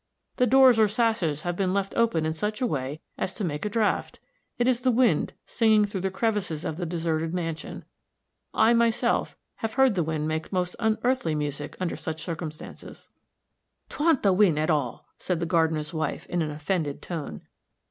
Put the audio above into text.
"The doors or sashes have been left open in such a way as to make a draught. It is the wind, singing through the crevices of the deserted mansion. I, myself, have heard the wind make most unearthly music under such circumstances." "'Twa'n't wind at all," said the gardener's wife, in an offended tone.